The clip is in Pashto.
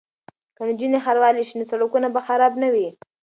که نجونې ښاروالې شي نو سړکونه به خراب نه وي.